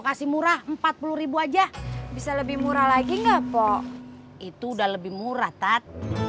kasih murah rp empat puluh ribu aja bisa lebih murah lagi nggak po itu udah lebih murah tat